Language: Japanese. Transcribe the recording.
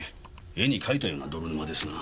絵に描いたような泥沼ですな。